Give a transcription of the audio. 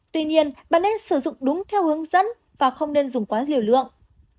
tuy nhiên bạn nên sử dụng đúng theo hướng dẫn và không nên dùng quá nhiều lượng